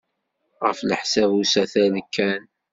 Ɣef leḥsab usatal kan.